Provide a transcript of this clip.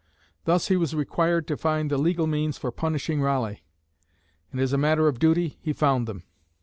Thus he was required to find the legal means for punishing Raleigh; and, as a matter of duty, he found them.